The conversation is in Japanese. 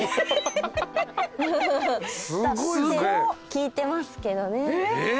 聞いてますけどね。